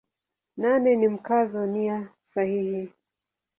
Nane ni Mkazo nia sahihi.